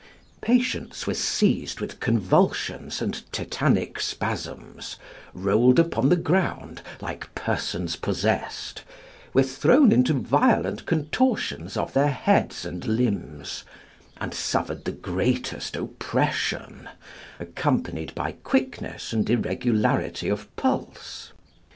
Patients were seized with convulsions and tetanic spasms, rolled upon the ground like persons possessed, were thrown into violent contortions of their heads and limbs, and suffered the greatest oppression, accompanied by quickness and irregularity of pulse.